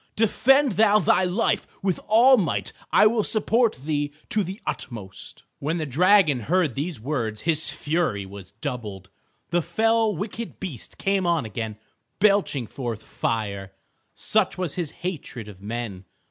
Defend thou thy life with all might. I will support thee to the utmost." When the dragon heard these words his fury was doubled. The fell wicked beast came on again belching forth fire, such was his hatred of men.